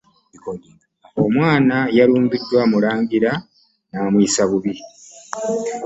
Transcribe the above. Omwana yalumbiddwa mulangira namuyisa bubi.